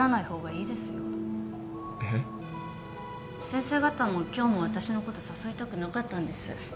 先生方も今日も私のこと誘いたくなかったんです。